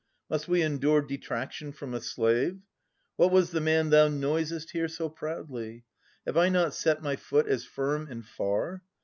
Must we endure detraction from a slave? What was the man thou noisest here so proudly? Have I not set my foot as firm and far?